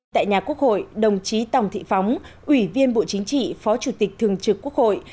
tại nhà quốc hội đồng chí tòng thị phóng ủy viên bộ chính trị phó chủ tịch thường trực quốc hội